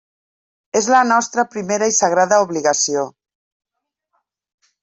És la nostra primera i sagrada obligació.